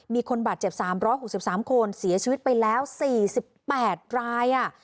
มีคนบาดเจ็บ๓๖๓คนเสียชีวิตไปแล้ว๔๘ราย